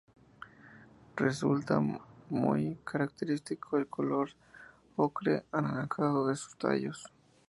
Resulta muy característico el color ocre-anaranjado de sus tallos.